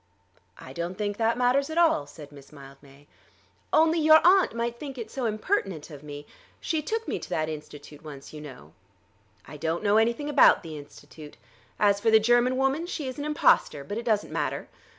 "I don't think that matters at all," said Miss Mildmay. "Only your aunt might think it so impertinent of me! She took me to that Institute once, you know." "I don't know anything about the Institute. As for the German woman, she is an impostor; but it doesn't matter.